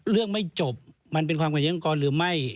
เรื่องไม่จบมันเป็นความขัดแย้งขององค์กรหรือไม่